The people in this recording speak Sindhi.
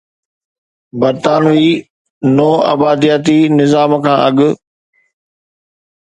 برطانوي نوآبادياتي نظام کان اڳ